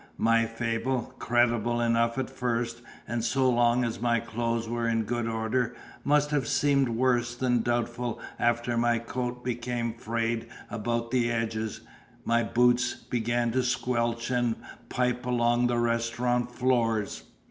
My fable, credible enough at first, and so long as my clothes were in good order, must have seemed worse than doubtful after my coat became frayed about the edges, and my boots began to squelch and pipe along the restaurant floors.